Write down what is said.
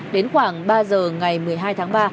đến khoảng ba giờ ngày một mươi hai tháng ba